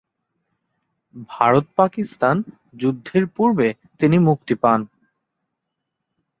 ভারত-পাকিস্তান যুদ্ধের পূর্বে তিনি মুক্তি পান।